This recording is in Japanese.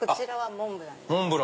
モンブラン。